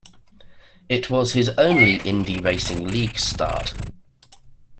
It was his only Indy Racing League start.